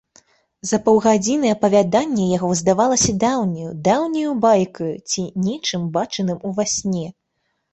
За паўгадзіны апавяданне яго здавалася даўняю, даўняю байкаю ці нечым бачаным ува сне.